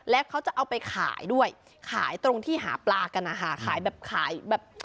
แล้วเขาจะเอาไปขายด้วยขายตรงที่หาปลากันนะคะขายแบบขายแบบ